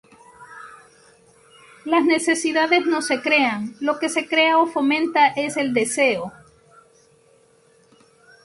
Las necesidades no se crean, lo que se crea o fomenta es el deseo.